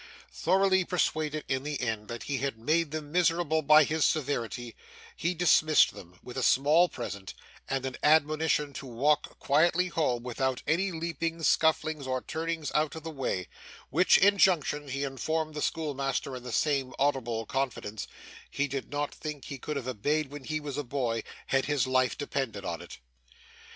Thoroughly persuaded, in the end, that he had made them miserable by his severity, he dismissed them with a small present, and an admonition to walk quietly home, without any leapings, scufflings, or turnings out of the way; which injunction, he informed the schoolmaster in the same audible confidence, he did not think he could have obeyed when he was a boy, had his life depended on it.